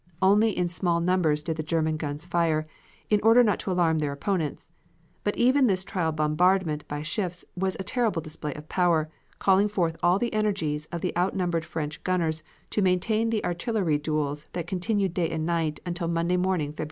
Only in small numbers did the German guns fire, in order not to alarm their opponents. But even this trial bombardment by shifts was a terrible display of power, calling forth all the energies of the outnumbered French gunners to maintain the artillery duels that continued day and night until Monday morning, February 21st.